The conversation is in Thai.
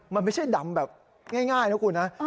มันไม่ใช่ดำแบบง่ายนะคุณนะ